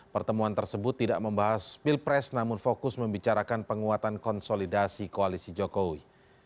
pertemuan tersebut tidak membahas pilpres namun fokus membicarakan penguatan konsolidasi koalisi jokowi